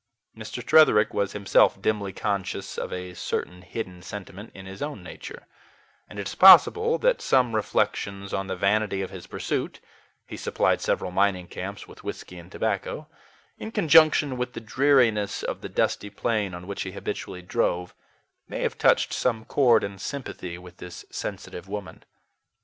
Mr. Tretherick was himself dimly conscious of a certain hidden sentiment in his own nature; and it is possible that some reflections on the vanity of his pursuit he supplied several mining camps with whisky and tobacco in conjunction with the dreariness of the dusty plain on which he habitually drove, may have touched some chord in sympathy with this sensitive woman.